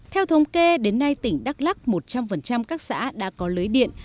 theo thống kê đến nay tỉnh đắk lắc một trăm linh các xã đã có lưới điện